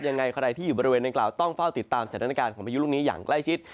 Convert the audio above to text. ยังไงใครที่อยู่บริเวณดังกล่าวต้องเฝ้าติดตามสถานการณ์ของพายุลูกนี้อย่างใกล้ชิด